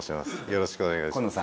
よろしくお願いします。